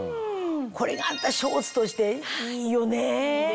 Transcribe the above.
これがショーツとしていいよね！